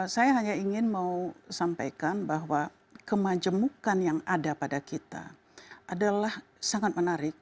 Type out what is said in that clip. saya hanya ingin mau sampaikan bahwa kemajemukan yang ada pada kita adalah sangat menarik